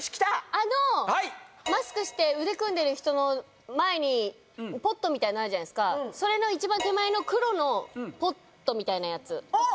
あのマスクして腕組んでる人の前にポットみたいのあるじゃないすかそれの一番手前の黒のポットみたいなやつあっ！